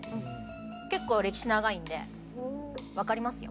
結構歴史長いんで分かりますよ。